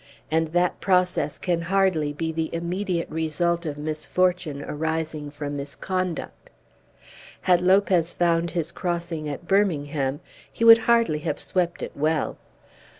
And that process can hardly be the immediate result of misfortune arising from misconduct. Had Lopez found his crossing at Birmingham he would hardly have swept it well.